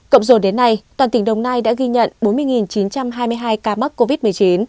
cộng dồn đến nay toàn tỉnh đồng nai đã ghi nhận bốn mươi chín trăm hai mươi hai ca mắc covid một mươi chín